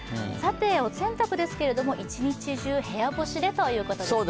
お洗濯ですけども、一日中、部屋干しでということですね。